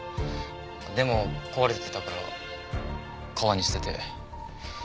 でも壊れてたから川に捨てて。